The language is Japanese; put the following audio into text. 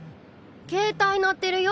携帯鳴ってるよ。